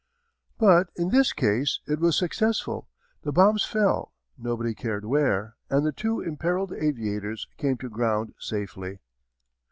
But in this case it was successful. The bombs fell nobody cared where and the two imperilled aviators came to ground safely.